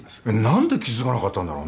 何で気付かなかったんだろうな。